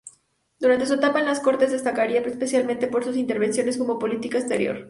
Durante su etapa en las Cortes destacaría especialmente por sus intervenciones sobre política exterior.